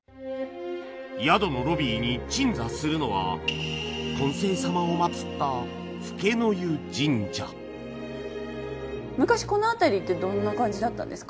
宿のロビーに鎮座するのは「金勢様」をまつった昔このあたりってどんな感じだったんですか？